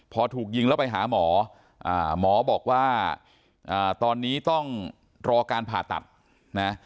พอถูกยิงแล้วไปหาหมอหมอบอกว่าตอนนี้ต้องรอการผ่าตัดนะ